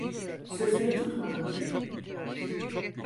Sözünü tutmadın.